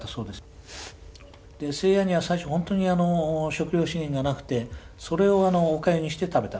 セーヤには最初本当にあの食料支援がなくてそれをおかゆにして食べた。